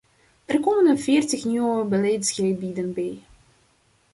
Er komen veertig nieuwe beleidsgebieden bij.